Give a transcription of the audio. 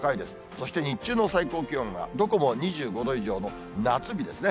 そして日中の最高気温が、どこも２５度以上の夏日ですね。